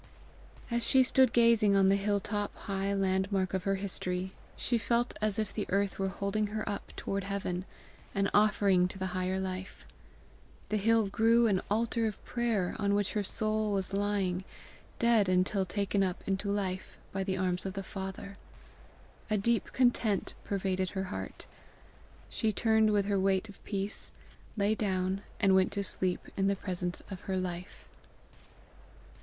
As she stood gazing on the hill top, high landmark of her history, she felt as if the earth were holding her up toward heaven, an offering to the higher life. The hill grew an altar of prayer on which her soul was lying, dead until taken up into life by the arms of the Father. A deep content pervaded her heart. She turned with her weight of peace, lay down, and went to sleep in the presence of her Life.